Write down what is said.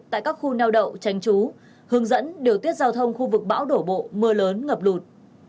tại các khu neo đậu tranh trú hướng dẫn điều tiết giao thông khu vực bão đổ bộ mưa lớn ngập lụt